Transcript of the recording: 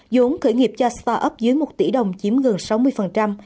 giống khởi nghiệp cho start up dưới một tỷ đồng chiếm gần sáu mươi